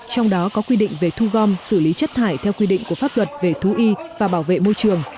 trong đó có quy định về thu gom xử lý chất thải theo quy định của pháp luật về thú y và bảo vệ môi trường